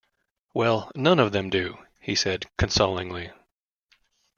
"Well, none of them do," he said consolingly.